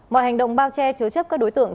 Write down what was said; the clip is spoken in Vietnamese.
mọi hành động bao che chứa chấp các đối tượng